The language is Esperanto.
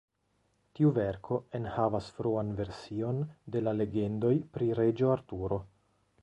Tiu verko enhavas fruan version de la legendoj pri Reĝo Arturo.